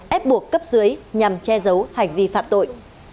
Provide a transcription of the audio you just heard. ép buộc cấp dưới nhằm che giấu hành vi phạm tội